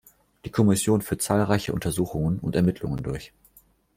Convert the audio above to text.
Die Kommission führt zahlreiche Untersuchungen und Ermittlungen durch.